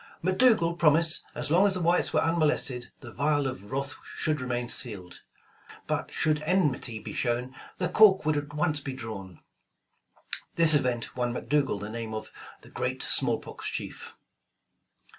McDougal promised as long as the whites were un molested, the vial of wrath should remain sealed, but should enmity be shown, the cork would at once be drawn. This event won McDougal the name of the ''Great Smallpox Chief."